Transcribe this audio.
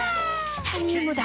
チタニウムだ！